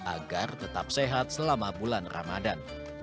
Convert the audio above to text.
agar tetap sehat selama bulan ramadan